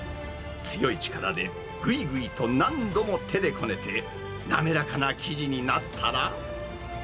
強い力でぐいぐいと何度も手でこねて、滑らかな生地になったら。